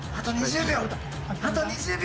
・あと２０秒。